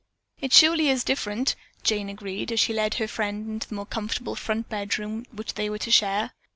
"It surely is different," Jane agreed as she led her friend into the comfortable front bedroom which they were to share.